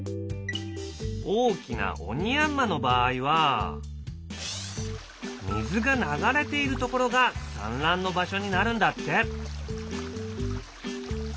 大きなオニヤンマの場合は水が流れているところが産卵の場所になるんだって。